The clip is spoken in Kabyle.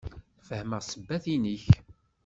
Fehmeɣ ssebbat-inek.